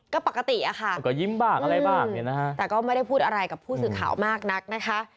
ก็ปกติอะค่ะแต่ก็ไม่ได้พูดอะไรกับผู้สื่อข่าวมากนักนะคะ